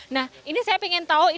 nah ini saya ingin tahu